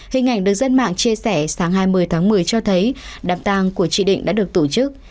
hình ảnh được dân mạng chia sẻ sáng hai mươi tháng một mươi cho thấy đám tàng của chị định đã được tổ chức